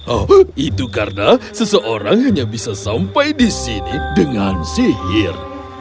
oh itu karena seseorang hanya bisa sampai di sini dengan sihir